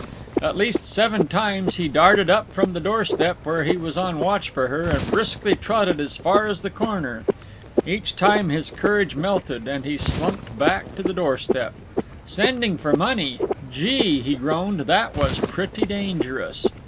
At least seven times he darted up from the door step, where he was on watch for her, and briskly trotted as far as the corner. Each time his courage melted, and he slumped back to the door step. Sending for money—gee, he groaned, that was pretty dangerous.